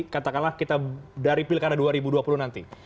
katakanlah kita dari pilkada dua ribu dua puluh nanti